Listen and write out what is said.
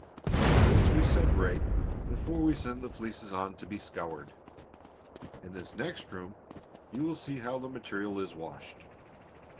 All this we separate before we send the fleeces on to be scoured. In this next room you will see how the material is washed."